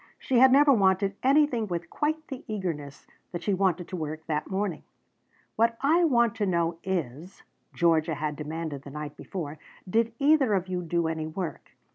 She had never wanted anything with quite the eagerness that she wanted to work that morning. "What I want to know is," Georgia had demanded the night before, "did either of you do any work?